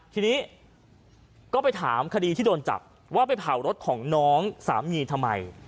ทีนี้ก็ไปถามคดีที่โดนจับว่าไปเผารถของน้องสามีทำไม